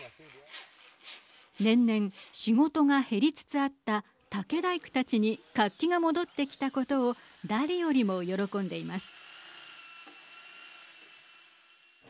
年々、仕事が減りつつあった竹大工たちに活気が戻ってきたことを誰よりも喜んでいます。